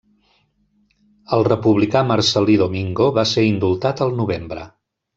El republicà Marcel·lí Domingo va ser indultat al novembre.